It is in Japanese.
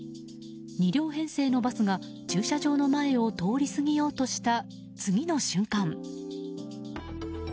２両編成のバスが駐車場の前を通り過ぎようとした次の瞬間。